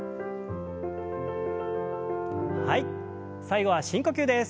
最後は深呼吸です。